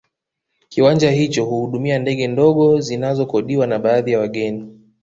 Kiwanja hicho huhudumia ndege ndogo zinazokodiwa na baadhi ya wageni